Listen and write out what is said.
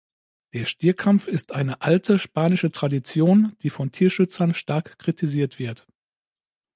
Der Stierkampf ist eine alte, spanische Tradition, die von Tierschützern stark kritisiert wird.